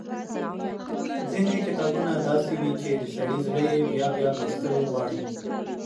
ځينې کتابونه داسې وي چې د سړي زړه يې بيا بيا لوستل غواړي۔